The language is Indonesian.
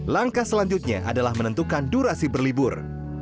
langkah selanjutnya adalah menentukan durasi berlibur